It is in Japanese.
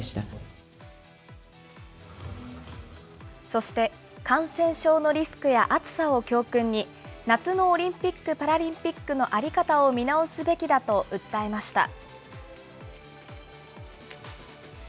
そして、感染症のリスクや暑さを教訓に、夏のオリンピック・パラリンピックの在り方を見直すべきだと訴えました。